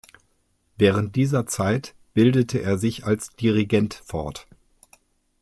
Während dieser Zeit bildete er sich als Dirigent fort.